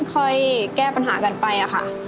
ค่อยแก้ปัญหากันไปค่ะ